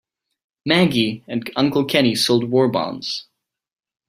Maggie and Uncle Kenny sold war bonds.